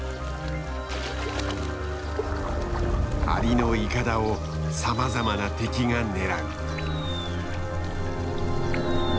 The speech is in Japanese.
アリのいかだをさまざまな敵が狙う。